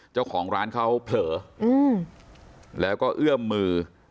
เจ้าของร้านเขาเผลอแล้วก็เอื้อมมือ